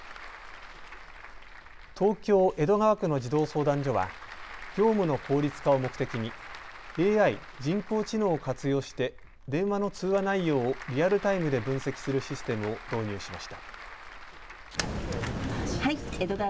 東京江戸川区の児童相談所は業務の効率化を目的にＡＩ・人工知能を活用して電話の通話内容をリアルタイムで分析するシステムを導入しました。